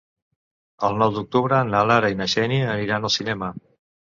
El nou d'octubre na Lara i na Xènia aniran al cinema.